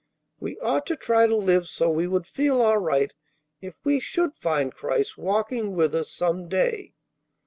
We ought to try to live so we would feel all right if we should find Christ walking with us some day.